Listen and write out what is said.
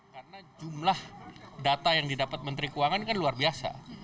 karena jumlah data yang didapat menteri keuangan kan luar biasa